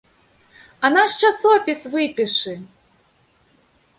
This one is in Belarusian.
А наш часопіс выпішы!